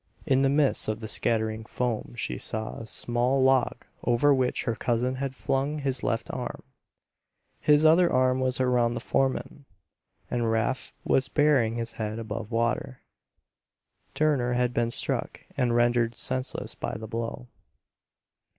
In the midst of the scattering foam she saw a small log over which her cousin had flung his left arm; his other arm was around the foreman, and Rafe was bearing his head above water. Turner had been struck and rendered senseless by the blow.